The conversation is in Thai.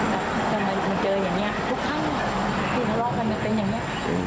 แต่ทำไมมันเจออย่างนี้ทุกครั้งที่ทะเลาะกันมันเป็นอย่างนี้